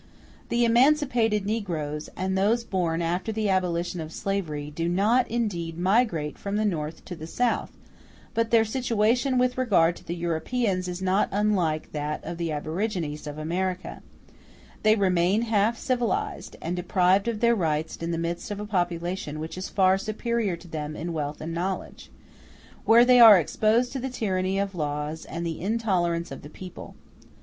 The emancipated negroes, and those born after the abolition of slavery, do not, indeed, migrate from the North to the South; but their situation with regard to the Europeans is not unlike that of the aborigines of America; they remain half civilized, and deprived of their rights in the midst of a population which is far superior to them in wealth and in knowledge; where they are exposed to the tyranny of the laws *m and the intolerance of the people.